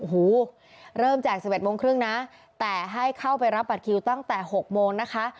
โอ้โหเริ่มแจก๑๑โมงครึ่งนะแต่ให้เข้าไปรับบัตรคิวตั้งแต่๖โมงนะคะ